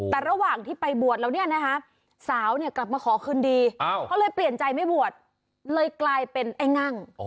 แต่ระหว่างที่ไปบวชแล้วเนี่ยนะคะสาวเนี่ยกลับมาขอคืนดีเขาเลยเปลี่ยนใจไม่บวชเลยกลายเป็นไอ้งั่ง